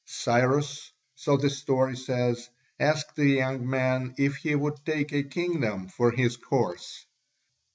Cyrus, so the story says, asked the young man if he would take a kingdom for his horse.